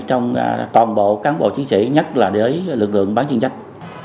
trong toàn bộ cán bộ chiến sĩ nhất là với lực lượng bán chuyên trách